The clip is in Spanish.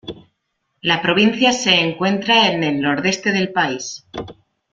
La provincia se encuentra en el nordeste del país.